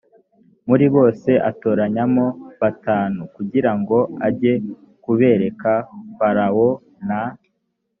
muri bose atoranyamo batanu kugira ngo ajye kubereka farawo n